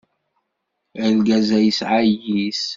Argaz-a yesɛa ayis.